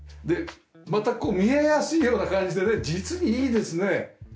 また見えやすいような感じでね実にいいですね。